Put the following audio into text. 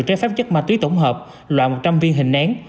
trái phép chất ma túy tổng hợp loại một trăm linh viên hình nén